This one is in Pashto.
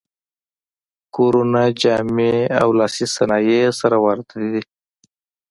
کورونه، جامې او لاسي صنایع یې سره ورته دي.